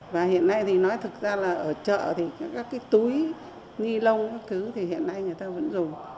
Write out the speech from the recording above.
và hiện nay thì nói thực ra là ở chợ thì các cái túi ni lông các thứ thì hiện nay người ta vẫn dùng